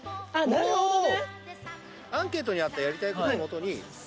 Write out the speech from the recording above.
なるほどね。